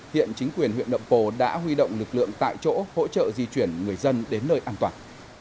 hiện chính quyền huyện nậm pồ đã huy động lực lượng tại chỗ hỗ trợ di chuyển người dân đến nơi an toàn